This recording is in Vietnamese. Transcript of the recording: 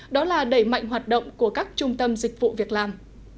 đó là đẩy mạnh hoạt động của các trung tâm dịch vụ việc làm